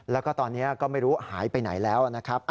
แล้วก็ตอนนี้ก็ไม่รู้หายไปไหนแล้วนะครับ